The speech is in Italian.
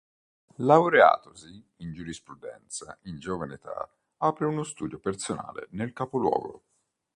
Laureatosi in giurisprudenza in giovane età apre uno studio personale nel capoluogo.